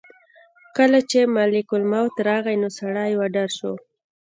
کله چې ملک الموت راغی نو سړی وډار شو.